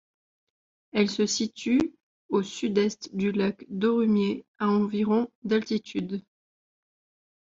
Elle se situe à au sud-est du lac d'Orumieh, à environ d'altitude.